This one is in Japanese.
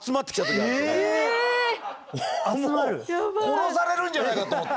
殺されるんじゃないかと思って。